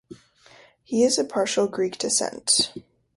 He is of partial Greek descent.